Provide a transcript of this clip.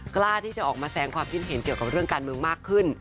กล้าที่จะออกมาแสงความคิดเห็นเกี่ยวกับเรื่องการเมืองมากขึ้น